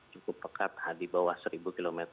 cukup pekat di bawah seribu km